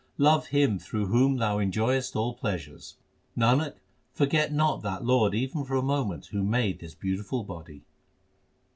Love Him through whom thou enjoyest all pleasures. Nanak, forget not that Lord even for a moment who made this beautiful body.